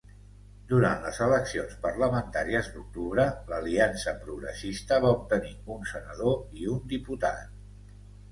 Durant les eleccions parlamentàries d'octubre, l'Aliança Progressista va obtenir un senador i un diputat.